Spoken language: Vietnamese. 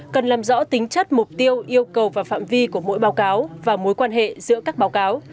cần làm rõ tính chất mục tiêu yêu cầu và phạm vi của mỗi báo cáo và mối quan hệ giữa các báo cáo